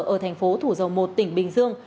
ở thành phố thủ dầu một tỉnh bình dương